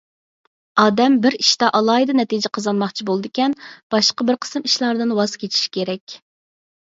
ئادەم بىر ئىشتا ئالاھىدە نەتىجە قازانماقچى بولىدىكەن، باشقا بىر قىسىم ئىشلاردىن ۋاز كېچىشى كېرەك.